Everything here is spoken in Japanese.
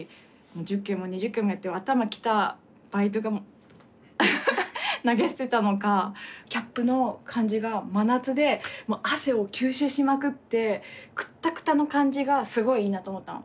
もう１０件も２０件もやって頭きたバイトが投げ捨てたのかキャップの感じが真夏で汗を吸収しまくってクッタクタの感じがすごいいいなと思ったの。